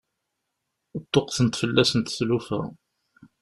Ṭṭuqqtent fell-asent tlufa.